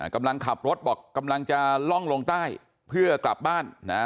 กำลังขับรถบอกกำลังจะล่องลงใต้เพื่อกลับบ้านนะ